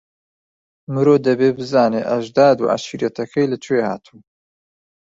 مرۆ دەبێ بزانێ ئەژداد و عەشیرەتەکەی لەکوێ هاتوون.